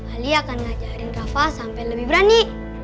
ali akan ngajarin rafa sampai lebih berani